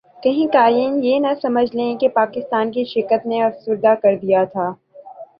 کہیں قارئین یہ نہ سمجھ لیں کہ پاکستان کی شکست نے افسردہ کردیا تھا